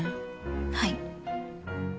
はい。